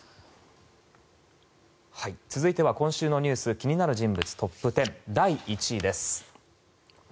続いては今週の気になる人物トップ１０第１位です。